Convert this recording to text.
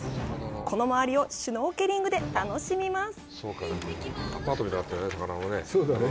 この周りをシュノーケリングで楽しみます。